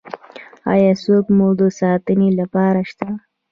ایا څوک مو د ساتنې لپاره شته؟